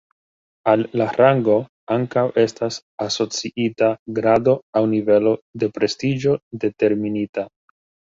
Al la rango ankaŭ estas asociita grado aŭ nivelo de prestiĝo determinita.